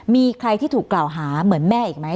มีใครที่ถูกกล่าวหาเหมือนแม่อีกไหม